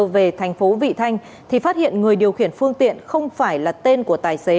về thành phố vị thanh thì phát hiện người điều khiển phương tiện không phải là tên của tài xế